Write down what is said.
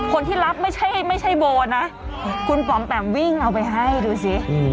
คนที่รับไม่ใช่ไม่ใช่โบนะคุณปอมแปมวิ่งเอาไปให้ดูสิ